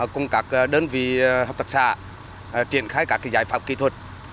cùng các đơn vị học tập xã triển khai các giải pháp kỹ thuật